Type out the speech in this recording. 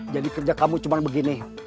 jadi kerja kamu cuma begini